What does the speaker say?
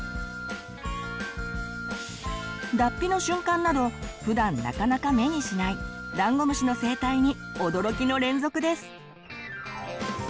脱皮の瞬間などふだんなかなか目にしないダンゴムシの生態に驚きの連続です。